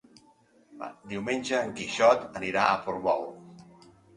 Diumenge en Quixot anirà a Portbou.